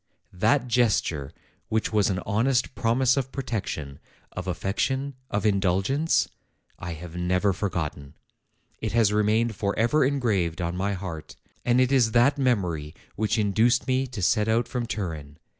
that gesture which was an honest promise of protection, of affection, of indulgence, I have never forgotten ; it has remained forever engraved on my heart; and it is that memory which induced me to set out from Turin.